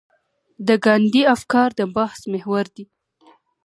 د ګاندي افکار د بحث محور دي.